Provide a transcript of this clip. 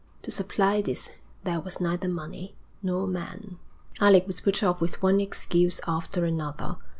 To supply this there was neither money nor men. Alec was put off with one excuse after another.